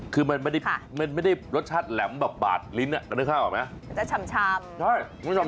คือมันไม่ได้รสชาติแหลมแบบบาดลิ้นกันในข้าวเหรอไหม